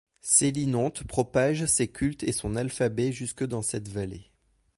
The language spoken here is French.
Sélinonte propage ses cultes et son alphabet jusque dans cette vallée.